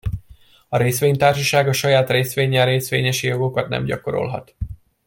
A részvénytársaság a saját részvénnyel részvényesi jogokat nem gyakorolhat.